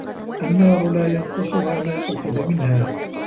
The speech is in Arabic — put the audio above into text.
النَّارُ لَا يَنْقُصُهَا مَا أُخِذَ مِنْهَا